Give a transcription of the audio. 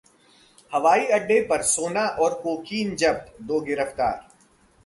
हवाई अड्डे पर सोना और कोकीन जब्त, दो गिरफ्तार